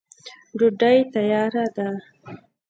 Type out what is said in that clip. ډوډۍ تیاره ده.